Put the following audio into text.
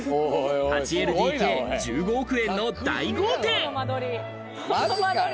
８ＬＤＫ１５億円の大豪邸。